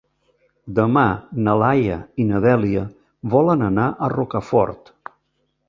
Demà na Laia i na Dèlia volen anar a Rocafort.